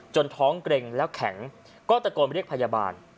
ท้องเกร็งแล้วแข็งก็ตะโกนเรียกพยาบาล